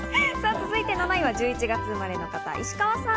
続いて７位は１１月生まれの方、石川さん。